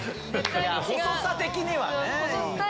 細さ的にはね。